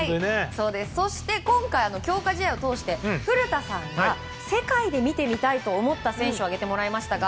そして今回の強化試合を通して古田さんが世界で見てみたいと思った選手を挙げてもらいました。